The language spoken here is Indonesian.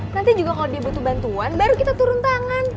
nanti juga kalau dia butuh bantuan baru kita turun tangan